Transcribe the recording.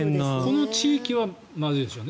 この地域はまずいでしょうね。